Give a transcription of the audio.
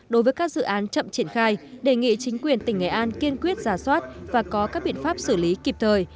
đối với các dự án chậm triển khai đề nghị chính quyền tỉnh nghệ an kiên quyết giả soát và có các biện pháp xử lý kịp thời